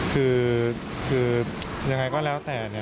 คือยังไงก็แล้วแต่